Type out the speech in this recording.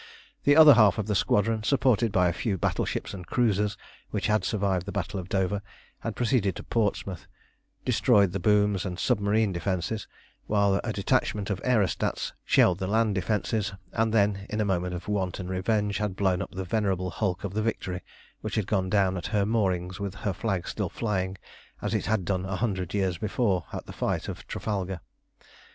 The other half of the squadron, supported by a few battleships and cruisers which had survived the battle of Dover, had proceeded to Portsmouth, destroyed the booms and submarine defences, while a detachment of aerostats shelled the land defences, and then in a moment of wanton revenge had blown up the venerable hulk of the Victory, which had gone down at her moorings with her flag still flying as it had done a hundred years before at the fight of Trafalgar.